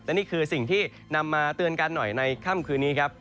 และนี่คือสิ่งที่นำมาเตือนกันหน่อยในค่ำคืนนี้ครับ